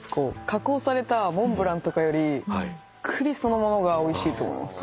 加工されたモンブランとかより栗そのものがおいしいと思います。